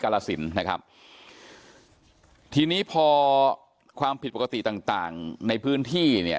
ลสินนะครับทีนี้พอความผิดปกติต่างต่างในพื้นที่เนี่ย